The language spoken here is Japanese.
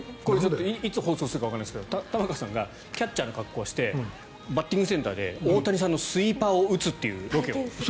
いつ放送するかわからないですけど、玉川さんがキャッチャーの格好をしてバッティングセンターで大谷さんのスイーパーを打つというロケを。